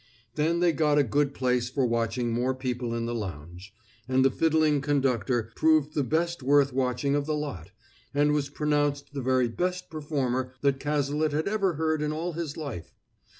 Then they got a good place for watching more people in the lounge; and the fiddling conductor proved the best worth watching of the lot, and was pronounced the very best performer that Cazalet had ever heard in all his life.